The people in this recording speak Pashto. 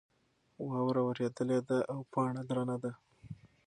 واوره ورېدلې ده او پاڼه درنه ده.